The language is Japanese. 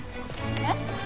えっ？